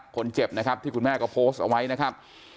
คนเจ็บนะครับที่คุณแม่ก็โพสต์เอาไว้นะครับ